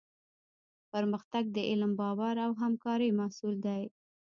پرمختګ د علم، باور او همکارۍ محصول دی.